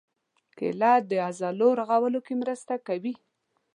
کېله د عضلو رغولو کې مرسته کوي.